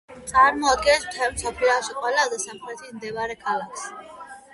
წარმოადგენს მთელ მსოფლიოში ყველაზე სამხრეთით მდებარე ქალაქს.